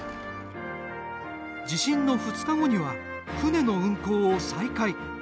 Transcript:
地震の２日後には船の運航を再開。